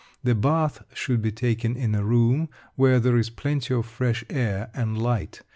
The bath should be taken in a room where there is plenty of fresh air and light.